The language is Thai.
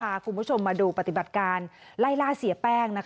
พาคุณผู้ชมมาดูปฏิบัติการไล่ล่าเสียแป้ง